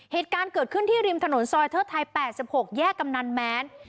เหตุการณ์เกิดขึ้นที่ริมถนนซอยเทิดไทย๘๖แยกกำนันแม้น